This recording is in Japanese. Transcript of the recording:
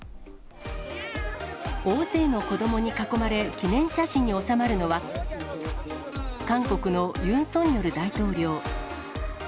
大勢の子どもに囲まれ、記念写真に収まるのは、韓国のユン・ソンニョル大統領。